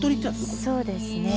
そうですね。